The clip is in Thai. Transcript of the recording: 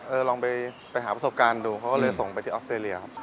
ลองไปหาประสบการณ์ดูเขาก็เลยส่งไปที่ออสเตรเลียครับ